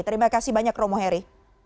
terima kasih banyak romo heri